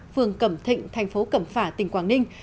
phường cẩm thịnh thành phố cẩm phả tỉnh quảng ninh